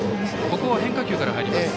ここは変化球から入ります。